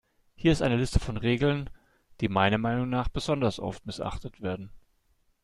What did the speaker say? Hier ist eine Liste von Regeln, die meiner Meinung nach besonders oft missachtet werden.